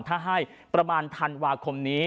ถ้าให้ประมาณธันวาคมนี้